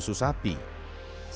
dan juga beberapa pemerah susu